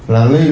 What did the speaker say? là linh hồn